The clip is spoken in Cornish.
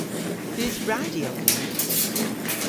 Eus radyo dhymm?